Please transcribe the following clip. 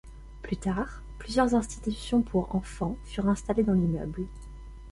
Plus tard, plusieurs institutions pour enfants furent installées dans l'immeuble.